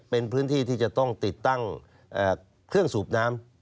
เป็นพื้นที่ที่จะต้องติดตั้งเครื่องสูบน้ำ